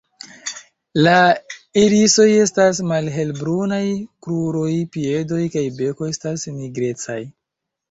La irisoj estas malhelbrunaj; kruroj, piedoj kaj beko estas nigrecaj.